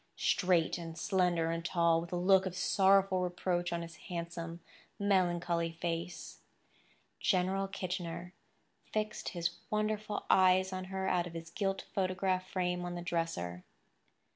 Straight and slender and tall, with a look of sorrowful reproach on his handsome, melancholy face, General Kitchener fixed his wonderful eyes on her out of his gilt photograph frame on the dresser.